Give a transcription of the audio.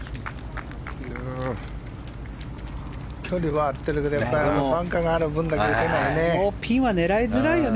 距離は合ってるけどバンカーがある分だけこのピンは狙いづらいよね